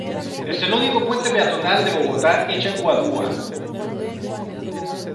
Es el único puente peatonal de Bogotá hecho de guadua.